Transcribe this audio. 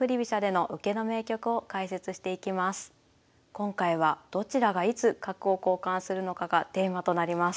今回は「どちらがいつ角を交換するのか」がテーマとなります。